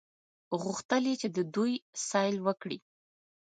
غوښتل یې چې د دوی سیل وکړي.